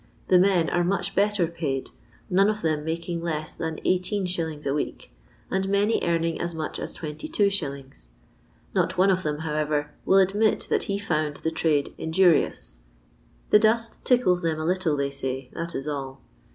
The men are much better paid, none of them making less than 18«. a week, and many earning hs much as 22«. Not one of them, however, will admit that he foond the trade injurious. The dust tickles them a little, they say, that is all.